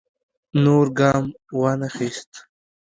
نور ګام وانه خیست.